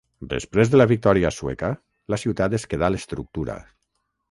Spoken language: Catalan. Després de la victòria sueca, la ciutat es quedà l’estructura.